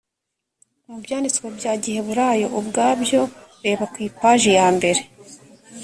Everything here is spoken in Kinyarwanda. mu byanditswe bya giheburayo ubwabyo reba ku ipaji yambere